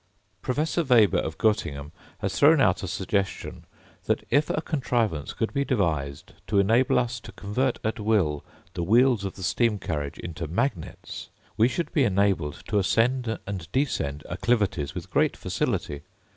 Professor Weber of Gottingen has thrown out a suggestion, that if a contrivance could be devised to enable us to convert at will the wheels of the steam carriage into magnets, we should be enabled to ascend and descend acclivities with great facility.